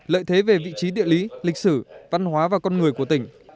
lợi thế về vị trí địa lý lịch sử văn hóa và con người của tỉnh